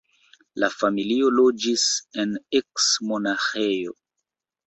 La familio loĝis en eks-monaĥejo.